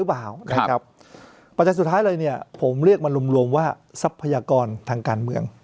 ปัจจัยสุดท้ายหรือไงผมเรียกมารวมว่าทรัพยากรทางการเมือง